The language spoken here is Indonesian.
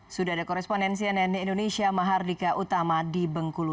sudah ada koresponensi nni indonesia mahardika utama di bengkulu